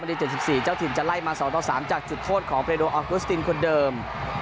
วันที่เจ็ดสิบสี่เจ้าทิมจะไล่มาสองต่อสามจากจุดโทษของเพรดออกุสตินคนเดิม